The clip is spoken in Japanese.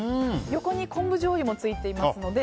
横に昆布じょうゆもついていますので。